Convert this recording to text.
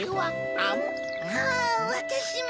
あんわたしも！